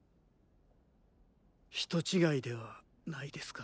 人違いではないですか？